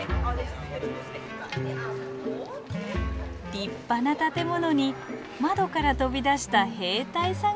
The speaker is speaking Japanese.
立派な建物に窓から飛び出した兵隊さん